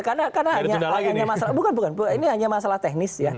karena ini hanya masalah teknis ya